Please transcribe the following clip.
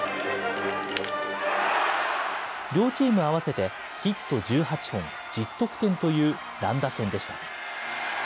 両チーム合わせてヒット１８本、１０得点という乱打戦でした。